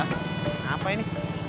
eh apa ini